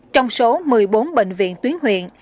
trong số một mươi bốn bệnh viện tuyến huyện